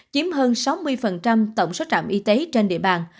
chiếm hơn sáu mươi tổng số trạm y tế trên địa bàn